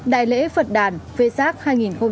đại lễ phật đàn phê sát hai nghìn một mươi chín với chủ đề